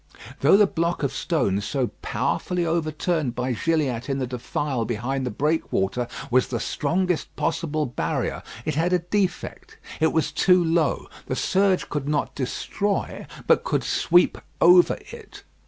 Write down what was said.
Though the block of stone so powerfully overturned by Gilliatt in the defile behind the breakwater was the strongest possible barrier, it had a defect. It was too low. The surge could not destroy, but could sweep over it.